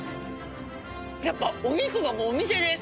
やっぱお肉がもうお店です。